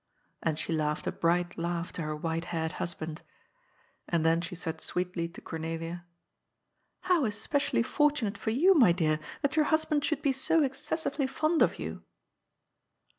and she laughed a bright laugh to her white haired husband. And then she said sweetly to Cornelia :" How especially fortunate for you, my dear, that your husband should be so excessively fond of you."